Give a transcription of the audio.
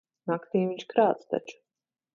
Naktī viņš krāc taču.